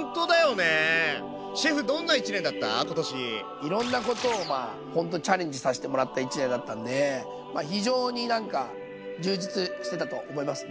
いろんなことをまあほんとにチャレンジさせてもらった一年だったんで非常になんか充実してたと思います。